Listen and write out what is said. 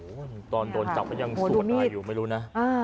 โอ้โหตอนโดนจับก็ยังสวดอะไรอยู่ไม่รู้นะ